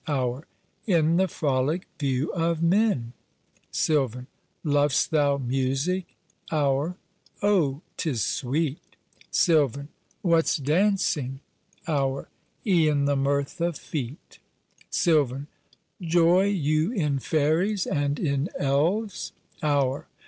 HOUR. In the frolic view of men! SILVAN. Lov'st thou music? HOUR. Oh! 'tis sweet! SILVAN. What's dancing? HOUR. E'en the mirth of feet. SILVAN. Joy you in fairies and in elves? HOUR.